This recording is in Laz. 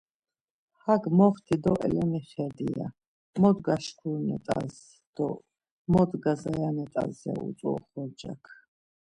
Hak moxti do elemixedi, ya, mot gaşkurinet̆as do mot gazayanet̆as ya utzu oxorcak.